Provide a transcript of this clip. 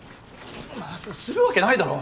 するわけないだろ！